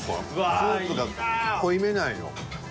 スープが濃いめなんよ。